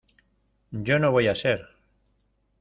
yo no voy a ser